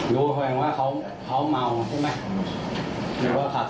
รู้เพียงว่าเขาเมาใช่ไหม